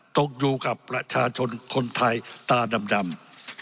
ตกอยู่กับประชาชนคนไทยตาดำ